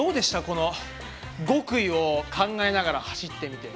この極意を考えながら走ってみて。